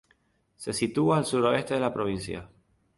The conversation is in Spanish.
Se sitúa al suroeste de la provincia.